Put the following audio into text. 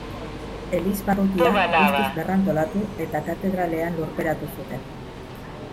Elizbarrutia guztiz berrantolatu eta katedralean lurperatu zuten.